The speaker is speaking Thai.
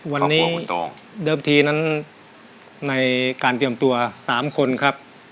วันนี้เดิมทีนั้นในการเตรียมตัว๓คนครับ